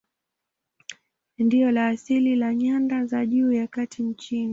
Ndilo la asili la nyanda za juu za kati nchini.